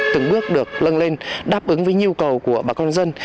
từng bước được lân lên đáp ứng với nhu cầu của bà con dân